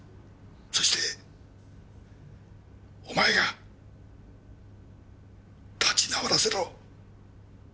そしてお前が立ち直らせろ。